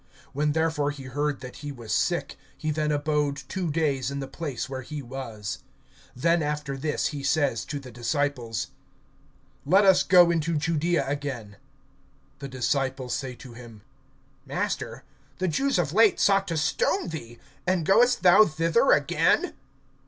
(6)When therefore he heard that he was sick, he then abode two days in the place where he was. (7)Then after this he says to the disciples: Let us go into Judaea again. (8)The disciples say to him: Master, the Jews of late sought to stone thee; and goest thou thither again?